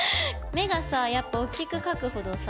目がさやっぱおっきく描くほどさ。